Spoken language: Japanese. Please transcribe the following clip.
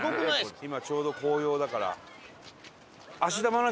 今ちょうど紅葉だから。